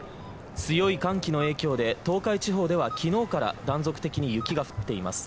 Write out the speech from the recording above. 強い寒気の影響で東海地方では昨日から断続的に雪が降っています。